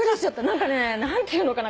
何かね何て言うのかな。